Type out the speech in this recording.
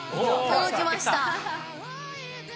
届きました。